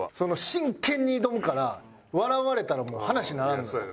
真剣に挑むから笑われたらもう話にならんのよ。